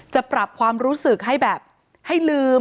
จะปรับความรู้สึกให้แบบให้ลืม